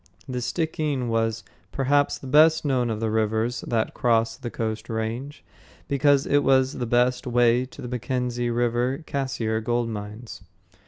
The Stickeen was, perhaps, the best known of the rivers that cross the Coast Range, because it was the best way to the Mackenzie River Cassiar gold mines.